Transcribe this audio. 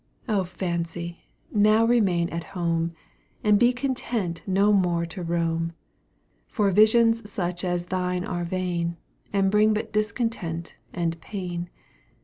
Oh Fancy! now remain at home, And be content no more to roam; For visions such as thine are vain, And bring but discontent and pain.